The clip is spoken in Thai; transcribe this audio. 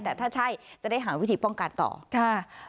แต่ถ้าใช่จะได้หาวิธีป้องกันต่อค่ะ